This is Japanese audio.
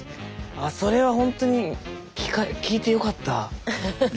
あそれはほんとに聞いてよかった。